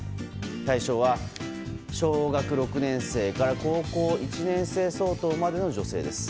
対象は小学６年生から高校１年生相当までの女性です。